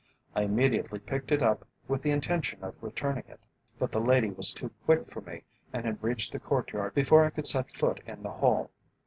I immediately picked it up with the intention of returning it. But the lady was too quick for me and had reached the courtyard before I could set foot in the hall.